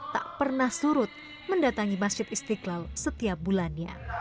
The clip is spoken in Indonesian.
tak pernah surut mendatangi masjid istiqlal setiap bulannya